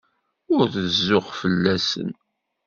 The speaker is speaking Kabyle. Ur rezzuɣ fell-asen.